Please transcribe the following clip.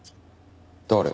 誰？